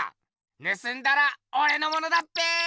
ぬすんだらおれのものだっぺ。